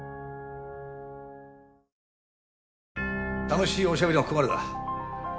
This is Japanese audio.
楽しいおしゃべりはここまでだ。